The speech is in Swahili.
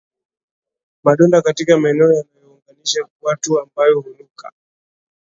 Madonda katika maeneo yanayounganisha kwato ambayo hunuka